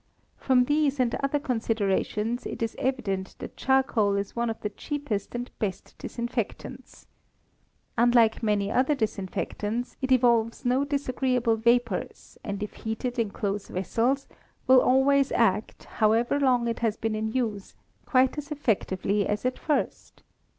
From these and other considerations it is evident that charcoal is one of the cheapest and best disinfectants. Unlike many other disinfectants, it evolves no disagreeable vapours, and if heated in close vessels will always act, however long it has been in use, quite as effectively as at first.